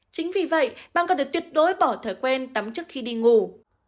chính vì vậy bạn còn được tuyệt đối bỏ thói quen tắm trước khi đi ngủ